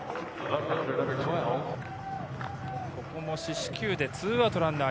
ここも四死球で２アウトランナー